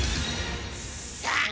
さあ！